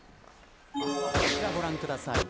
こちらをご覧ください。